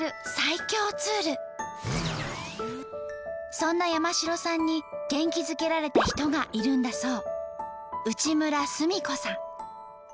そんな山城さんに元気づけられた人がいるんだそう。